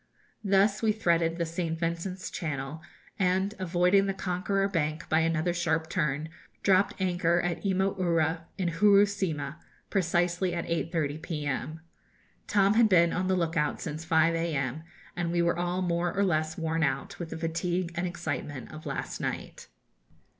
Thus we threaded the St. Vincent's Channel, and, avoiding the Conqueror bank by another sharp turn, dropped anchor at Imo Ura, in Hurusima, precisely at 8.30 p.m. Tom had been on the look out since 5 a.m., and we were all more or less worn out with the fatigue and excitement of last night.